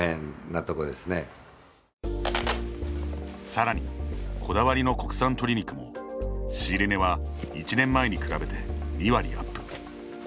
さらに、こだわりの国産鶏肉も仕入れ値は１年前に比べて２割アップ。